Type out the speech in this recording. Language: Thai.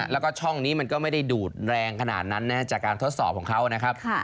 แล้วก็ช่องนี้มันก็ไม่ได้ดูดแรงขนาดนั้นจากการทดสอบของเขานะครับ